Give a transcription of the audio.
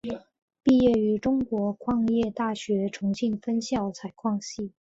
毕业于中国矿业大学重庆分校采矿系。